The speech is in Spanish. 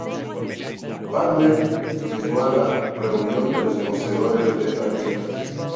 Pad Man llega a la reunión de poseedores de tarjetas.